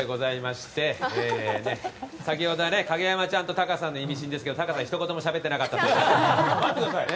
先ほどは影山ちゃんとタカさんのイミシーンでしたがタカさん、ひと言もしゃべってなかったのでね。